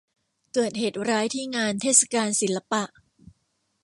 เกิดเหตุร้ายที่งานเทศกาลศิลปะ